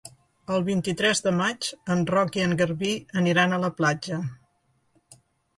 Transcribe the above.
El vint-i-tres de maig en Roc i en Garbí aniran a la platja.